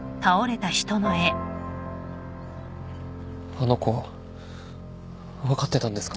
あの子は分かってたんですか？